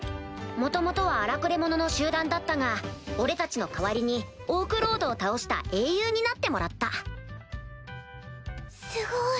元々は荒くれ者の集団だったが俺たちの代わりにオークロードを倒した英雄になってもらったすごい。